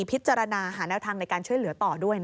เพื่อรัศกาลจังหวัดชวนมุรี